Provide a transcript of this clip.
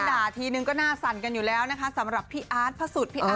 ด่าทีหนึ่งก็น่าสั่นกันสำหรับพี่อาร์ชพะสุด